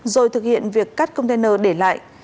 rồi thực hiện việc cắt container để lại